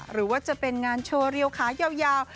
หรือว่าจะเป็นงานโชว์เรียวขายาว